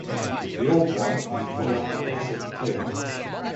The Old Wife is placed at the head of the table.